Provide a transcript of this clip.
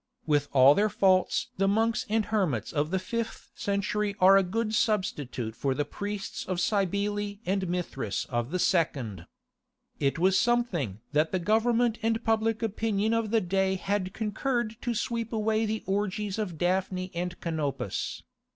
With all their faults the monks and hermits of the fifth century are a good substitute for the priests of Cybele and Mithras of the second. It was something that the Government and the public opinion of the day had concurred to sweep away the orgies of Daphne and Canopus.